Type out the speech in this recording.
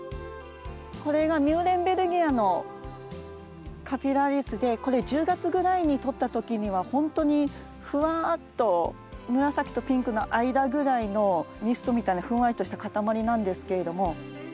これがミューレンベルギアのカピラリスでこれ１０月ぐらいに撮った時にはほんとにふわっと紫とピンクの間ぐらいのミストみたいなふんわりとした塊なんですけれども。